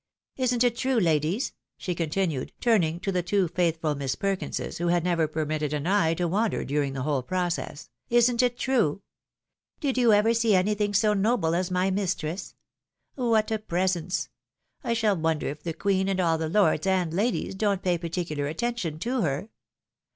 Isn't it true, ladies?" she continued, turning to the two faithful Miss Perkinses, who had never per mitted an eye to wander during the whole process, " isn't it 338 THE WIDOW MARRIED. true? Did you ever see anything so noble as my mistress? What a presence ! I shall wonder if the Queen, and all the lords and ladies, don't pay particular attention to her.